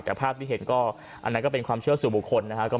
แต่ภาพที่เห็นก็อันนั้นก็เป็นความเชื่อสู่บุคคลนะครับ